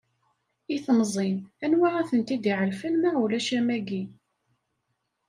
I temẓin, anwa ad ten-t-iɛelfen ma ulac am wagi?